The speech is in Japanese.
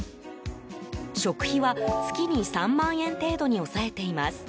食費は月に３万円程度に抑えています。